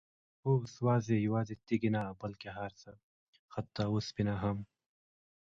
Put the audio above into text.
هو؛ سوزي، يوازي تيږي نه بلكي هرڅه، حتى اوسپنه هم